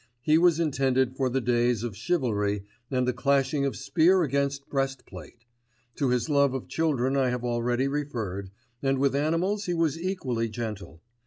He was intended for the days of chivalry and the clashing of spear against breast plate. To his love of children I have already referred, and with animals he was equally gentle.